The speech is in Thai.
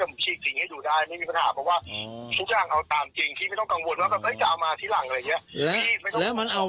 แต่พี่ไม่ต้องห่วงไว้ลงได้ต่อผมกูจีนง่ายแล้วอยู่จะไม่มีปัญหา